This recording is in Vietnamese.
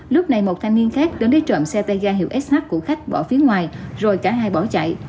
lúc này một thanh niên khác đến trộm xe tay ga hiệu sh của khách bỏ phía ngoài rồi cả hai bỏ chạy